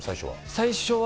最初は。